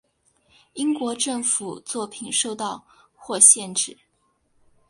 英国政府作品受到或限制。